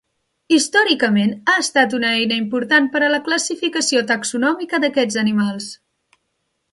Històricament, ha estat una eina important per a la classificació taxonòmica d'aquests animals.